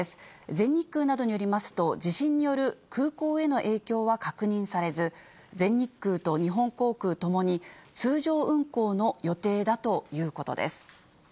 全日空などによりますと、地震による空港への影響は確認されず、全日空と日本航空ともに、通常運航の予定だということです。